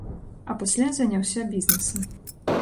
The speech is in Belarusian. А пасля заняўся бізнесам.